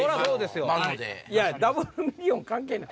ダブルミリオン関係ない。